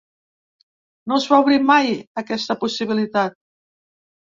No es va obrir mai aquesta possibilitat.